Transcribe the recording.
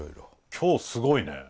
今日すごいね。